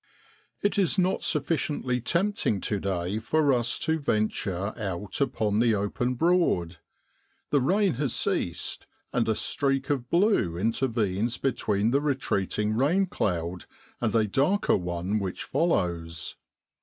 It is not sufficiently tempting to day for us to venture out upon the open Broad. The rain has ceased, and a streak of blue intervenes between the retreat ing rain cloud and a darker one which follows.